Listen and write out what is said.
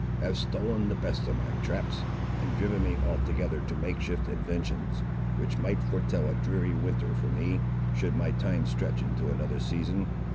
have stolen the best of my traps, and driven me altogether to make shift inventions, which might foretell a dreary winter for me, should my time stretch into another season.